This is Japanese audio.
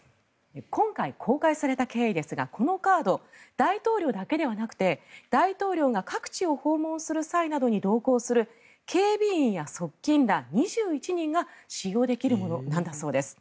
今回公開された経緯ですがこのカード大統領だけではなくて大統領が各地を訪問する際などに同行する警備員や側近ら２１人が使用できるものなんだそうです。